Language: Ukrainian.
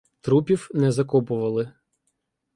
Трупів не закопували.